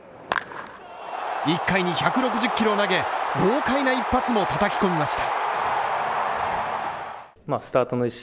１回に１６０キロを投げ豪快な一発を叩き込みました。